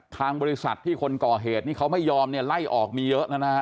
ทางบริษัทที่คนก่อเหตุนี่เขาไม่ยอมเนี่ยไล่ออกมีเยอะนะฮะ